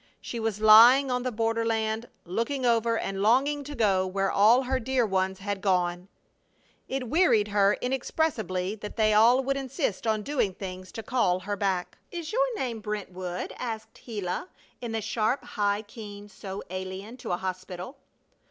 She was lying on the borderland, looking over and longing to go where all her dear ones had gone. It wearied her inexpressibly that they all would insist on doing things to call her back. "Is your name Brentwood?" asked Gila, in the sharp, high key so alien to a hospital.